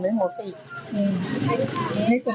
แต่เอาหัวสีรู้สึกไหม